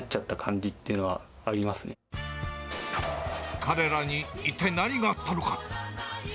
じっ彼らに一体何があったのか。